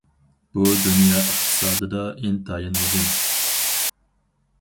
بۇ دۇنيا ئىقتىسادىدا ئىنتايىن مۇھىم.